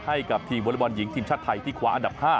ให้กับทีมวอเล็กบอลหญิงทีมชาติไทยที่คว้าอันดับ๕